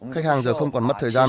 khách hàng giờ không còn mất thời gian